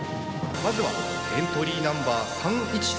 まずはエントリーナンバー３１３サボさん！